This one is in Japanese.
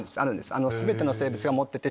全ての生物が持ってて。